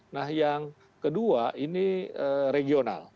nah yang kedua ini regional